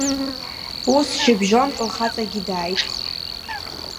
Ус шьыбжьон лхаҵагьы дааит.